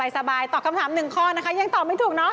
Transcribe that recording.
สบายตอบคำถาม๑ข้อนะคะยังตอบไม่ถูกเนาะ